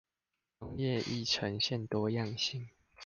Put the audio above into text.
農業亦呈現多樣性